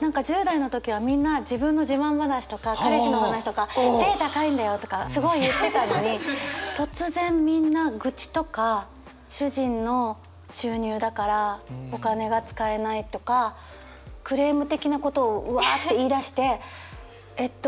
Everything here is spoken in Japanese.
何か１０代の時はみんな自分の自慢話とか彼氏の話とか背高いんだよとかすごい言ってたのに突然みんな愚痴とか主人の収入だからお金が使えないとかクレーム的なことをうわって言いだしてえっと